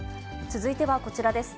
続いてはこちらです。